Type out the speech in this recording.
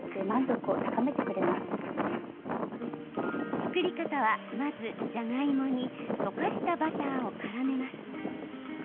作り方は、まず、じゃがいもに溶かしたバターをからめます。